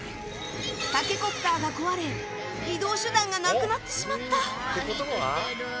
タケコプターが壊れ移動手段がなくなってしまった。